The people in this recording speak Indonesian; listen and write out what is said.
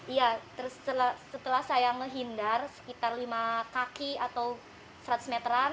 iya setelah saya menghindar sekitar lima kaki atau seratus meteran